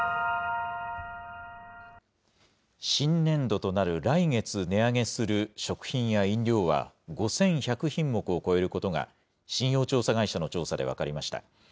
新年度となる来月、値上げする食品や飲料は５１００品目を超えることが、信用調査会社の調査で分かりました。